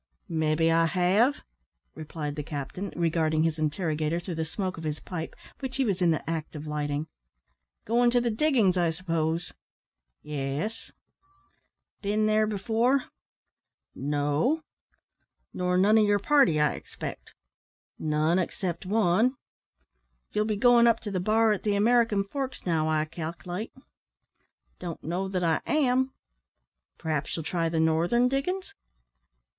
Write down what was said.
"Maybe I have," replied the captain, regarding his interrogator through the smoke of his pipe, which he was in the act of lighting. "Goin' to the diggin's, I s'pose?" "Yes." "Bin there before?" "No." "Nor none o' your party, I expect?" "None, except one." "You'll be goin' up to the bar at the American Forks now, I calc'late?" "Don't know that I am." "Perhaps you'll try the northern diggin's?"